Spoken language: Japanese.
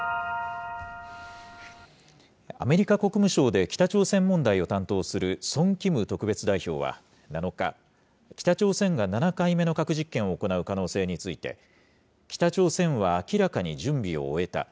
アメリカ国務省で北朝鮮問題を担当するソン・キム特別代表は７日、北朝鮮が７回目の核実験を行う可能性について、北朝鮮は明らかに準備を終えた。